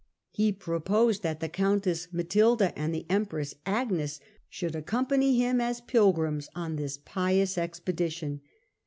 He proposed that the countess Matilda and the empress .A^es should accompany him as pilgrims on this pious expedition.